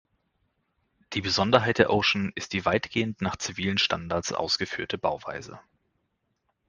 Die Besonderheit der "Ocean" ist die weitgehend nach zivilen Standards ausgeführte Bauweise.